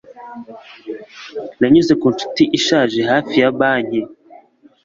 Nanyuze ku nshuti ishaje hafi ya banki